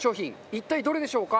一体、どれでしょうか？